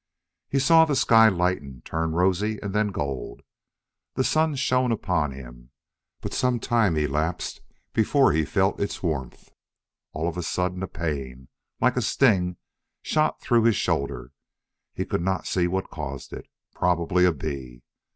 He saw the sky lighten, turn rosy and then gold. The sun shone upon him, but some time elapsed before he felt its warmth. All of a sudden a pain, like a sting, shot through his shoulder. He could not see what caused it; probably a bee.